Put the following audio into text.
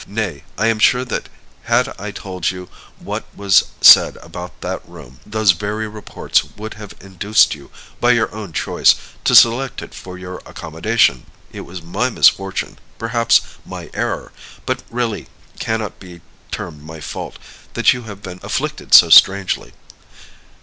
Nay, I am sure that had I told you what was said about that room, those very reports would have induced you, by your own choice, to select it for your accommodation. It was my misfortune, perhaps my error, but really cannot be termed my fault, that you have been afflicted so strangely."